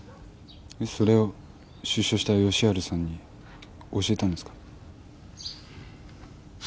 それを出所した吉春さんに教えたんですか？